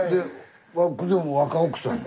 若奥さん？